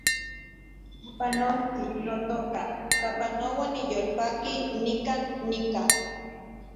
Panolti, notoka , sapanoa niyolpaki nikan nika